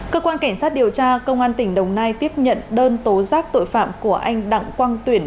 cơ quan cảnh sát điều tra công an tỉnh đồng nai tiếp nhận đơn tố giác tội phạm của anh đặng quang tuyển